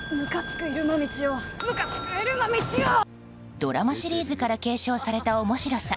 ドラマシリーズから継承された面白さ。